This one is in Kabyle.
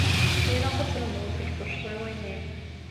Ilaq ad tlemdeḍ seg tuccḍiwin-im.